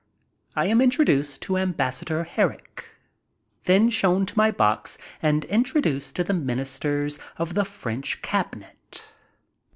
I am introduced to Ambassador Herrick, then shown to my box and introduced to the Ministers of the French Cabinet.